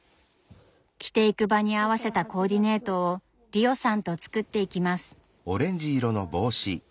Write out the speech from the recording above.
着ていく場に合わせたコーディネートをリオさんと作っていきます。